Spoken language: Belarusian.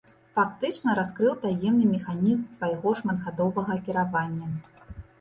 Фактычна раскрыў таемны механізм свайго шматгадовага кіравання.